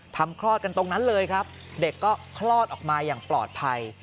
คลอดกันตรงนั้นเลยครับเด็กก็คลอดออกมาอย่างปลอดภัย